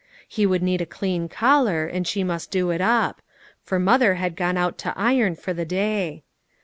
He would need a clean collar and she must do it up ; for mother had gone out to iron for the day.